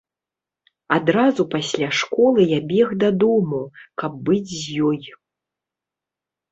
Адразу пасля школы я бег дадому, каб быць з ёй.